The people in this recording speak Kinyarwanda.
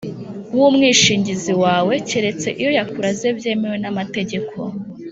w'umwishingizi wawe keretse iyo yakuraze byemewe n'amategeko.